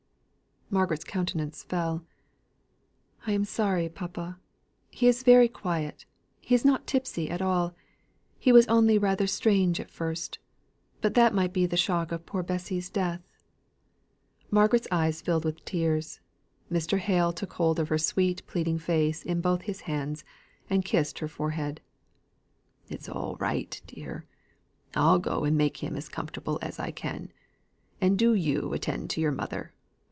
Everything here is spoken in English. Margaret's countenance fell. "I am sorry, papa. He is very quiet he is not tipsy at all. He was only rather strange at first, but that might be the shock of poor Bessy's death." Margaret's eyes filled with tears. Mr. Hale took hold of her sweet pleading face in both his hands, and kissed her forehead. "It is all right, dear. I'll go and make him as comfortable as I can, and do you attend to your mother.